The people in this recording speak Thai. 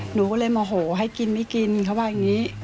หนูก็เลยโมโหให้กินไม่กินเขาว่าอย่างนี้